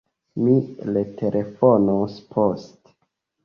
Mi retelefonos poste.